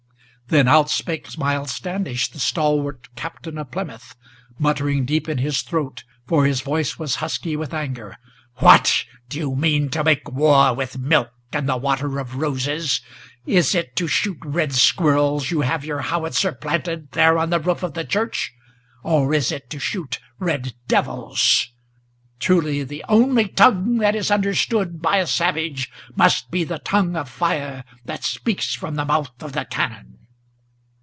Then out spake Miles Standish, the stalwart Captain of Plymouth, Muttering deep in his throat, for his voice was husky with anger, "What! do you mean to make war with milk and the water of roses? Is it to shoot red squirrels you have your howitzer planted There on the roof of the church, or is it to shoot red devils? Truly the only tongue that is understood by a savage Must be the tongue of fire that speaks from the mouth of the cannon!"